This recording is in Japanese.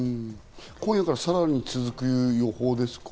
今夜からさらに続く予報ですか？